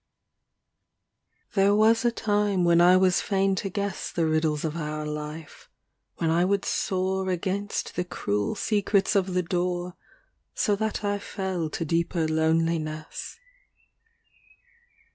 XLV There was a time when I was fain to guess The riddles of our life, when I would soar Against the cruel secrets of the door, So that I fell to deeper loneliness.